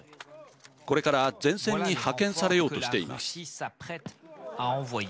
これから前線に派遣されようとしています。